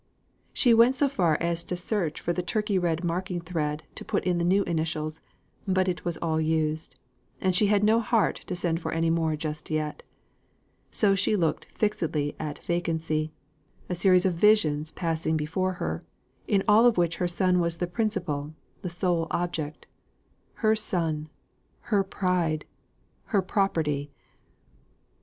She went so far as to search for the Turkey red marking thread to put in the new initials; but it was all used, and she had no heart to send for any more just yet. So she looked fixedly at vacancy; a series of visions passing before her, in all of which her son was the principal, the sole object, her son, her pride, her property.